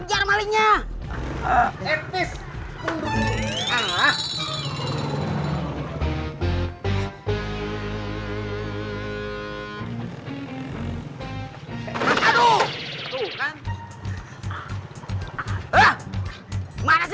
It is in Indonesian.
tunggu tunggu tunggu